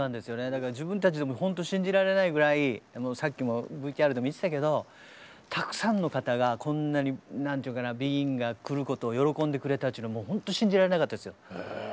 だから自分たちでもほんと信じられないぐらいさっきもＶＴＲでも言ってたけどたくさんの方がこんなに何というかなＢＥＧＩＮが来ることを喜んでくれたというのもほんと信じられなかったですよ。